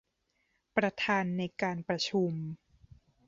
ประธานในการประชุม